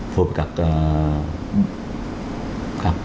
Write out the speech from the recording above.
phù hợp các